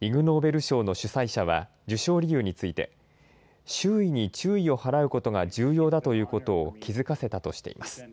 イグ・ノーベル賞の主催者は授賞理由について、周囲に注意を払うことが重要だということを気付かせたとしています。